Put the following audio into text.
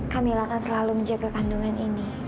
kami akan selalu menjaga kandungan ini